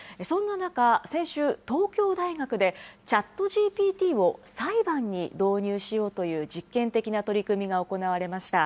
そんな中、先週、東京大学で、ＣｈａｔＧＰＴを裁判に導入しようという実験的な取り組みが行われました。